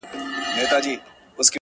يو څو د ميني افسانې لوستې،